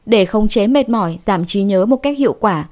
để không chế mệt mỏi giảm trí nhớ một cách hiệu quả